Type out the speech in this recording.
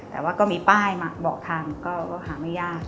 แต่ว่าก็มีป้ายมาบอกทางก็หาไม่ยาก